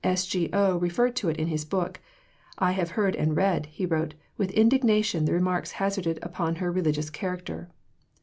S. G. O. referred to it in his book. "I have heard and read," he wrote, "with indignation the remarks hazarded upon her religious character.